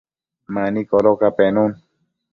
mani codoca penun